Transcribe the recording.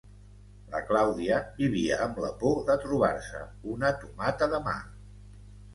La Claudia vivia amb la por de trobar-se una tomata de mar.